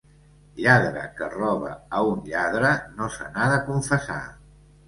Lladre que roba a un lladre no se n'ha de confessar.